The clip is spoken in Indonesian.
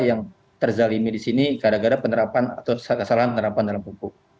yang terzalimi di sini gara gara penerapan atau kesalahan penerapan dalam hukum